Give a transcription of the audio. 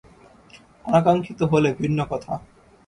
অনাকাঙ্ক্ষিত হলে ভিন্ন কথা।